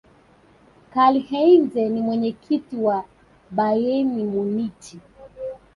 karlheinze ni mwenyekiti wa bayern munich